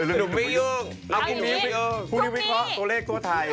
เอามิโมรีคพี่มิกฮอร์ตัวเลขตัวไทย